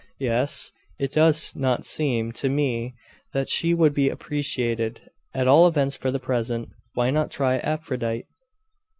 'Yes it does not seem to me that she would be appreciated at all events for the present. Why not try Aphrodite?